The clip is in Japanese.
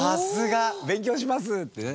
「勉強します」ってね。